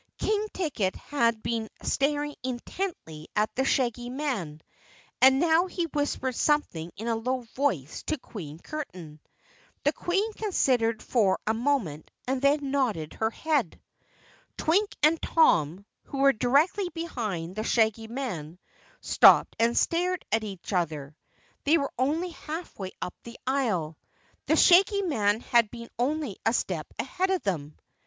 King Ticket had been staring intently at the Shaggy Man and now he whispered something in a low voice to Queen Curtain. The Queen considered for a moment and then nodded her head. Twink and Tom, who were directly behind the Shaggy Man, stopped and stared at each other. They were only half way up the aisle. The Shaggy Man had been only a step ahead of them.